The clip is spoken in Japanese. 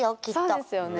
そうですよね。